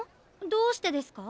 どうしてですか？